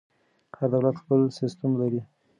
هر دولت خپل سیسټم لري.